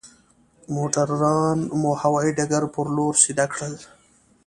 موټران مو هوايي ډګر پر لور سيده کړل.